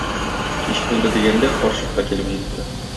Кич булды дигәндә, карчык та килеп җитте.